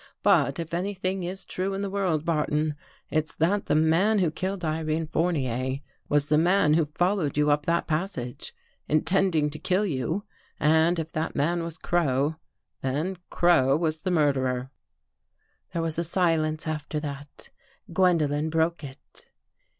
But, if anything is true in the world. Barton, it's that the man who killed Irene Fournier was the man who followed you up that passage, intending to kill you, and if that man was Crow, then Crow was the murderer." There was a silence after that. Gwendolen broke it.